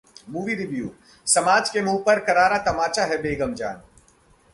Movie Review: समाज के मुंह पर करारा तमाचा है 'बेगम जान'